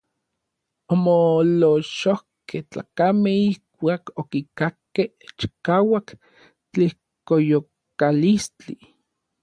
Omoolochojkej tlakamej ijkuak okikakkej chikauak tlijkoyokalistli.